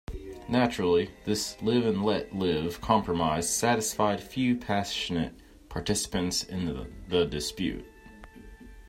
Naturally, this live-and-let-live compromise satisfied few passionate participants in the dispute.